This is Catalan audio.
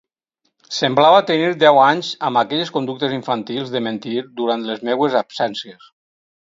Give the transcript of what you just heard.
Semblava tenir deu anys amb aquelles conductes infantils de mentir durant les meues absències.